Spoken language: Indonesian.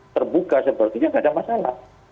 terbuka sepertinya nggak ada masalah